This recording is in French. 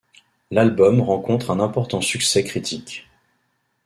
L’album rencontre un important succès critique.